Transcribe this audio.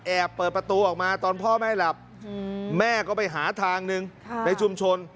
เปิดประตูออกมาตอนพ่อแม่หลับแม่ก็ไปหาทางหนึ่งในชุมชน